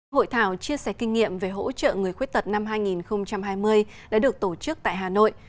hội thảo chia sẻ kinh nghiệm về hỗ trợ người khuyết tật năm hai nghìn hai mươi đã được tổ chức tại hà nội